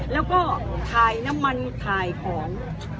แล้วก็ถ่ายน้ำมันถ่ายของ